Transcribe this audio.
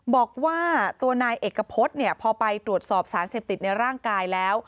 บอกว่าตัวนายเอกพฤษเนี่ยพอไปตรวจสอบสารเสพติดในร่างกายแล้ว